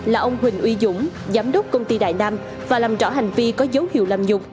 là ông huỳnh uy dũng giám đốc công ty đại nam và làm rõ hành vi có dấu hiệu làm nhục